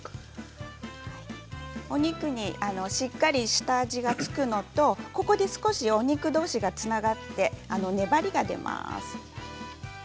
お肉にしっかり下味がつくのとここで少しお肉どうしがつながって、粘りが出ます。